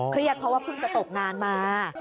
เพราะว่าเพิ่งจะตกงานมา